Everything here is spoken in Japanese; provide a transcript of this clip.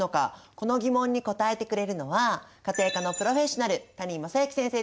この疑問に答えてくれるのは家庭科のプロフェッショナル先生